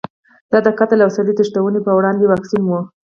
دا د قتل او سړي تښتونې په وړاندې واکسین و.